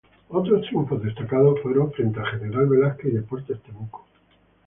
Otros triunfos destacados fueron frente a General Velásquez y Deportes Temuco.